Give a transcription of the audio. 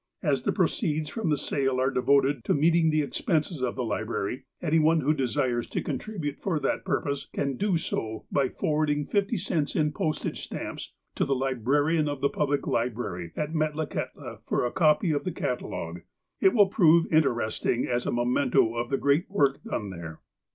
As the proceeds from the sale are devoted to meeting the expenses of the library, any one who desires to contribute for that puripose can do so by forwarding fifty cents in postage stamps to the '' Librarian of the Public Library" at Metlakahtla for a copy of the cata logue. It will prove interesting as a memento of the great work done there.